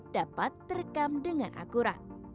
dapat terekam dengan akurat